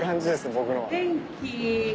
僕の。